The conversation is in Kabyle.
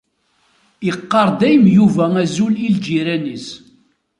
Iqqar dayem Yuba azul i lǧiran-is.